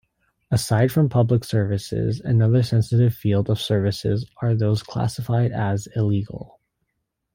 Aside from public services, another sensitive field of services are those classified as illegal.